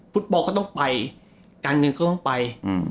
ฟุตบอลก็ต้องไปการเงินก็ต้องไป